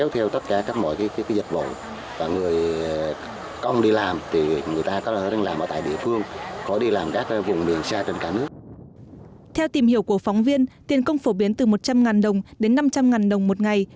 theo tìm hiểu của phóng viên tiền công phổ biến từ một trăm linh đồng đến năm trăm linh đồng một ngày